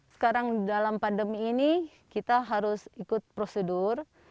sekarang dalam pandemi ini kita harus ikut prosedur